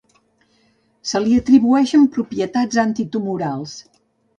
Se li atribueixen propietats antitumorals.